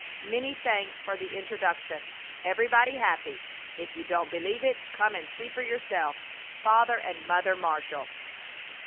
Many thanks for the introduction. Everybody happy; if you don't believe it come and see for yourself. FATHER AND MOTHER MARSHALL.